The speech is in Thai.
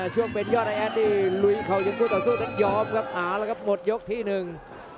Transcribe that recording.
ช่วงเป็นยอดแอดดีลุยเขาอย่างเดียวต่อสู้แต่ยอมหมดยกที่หนึ่ง